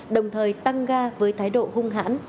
đồng thời tăng ga với thái độ hung hãn